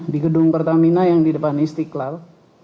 di gedung pertamina yang di depan istiqlal